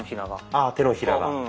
あ手のひらが。